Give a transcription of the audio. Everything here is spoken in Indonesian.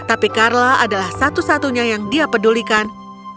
tapi carla adalah satu satunya yang dia pedulikan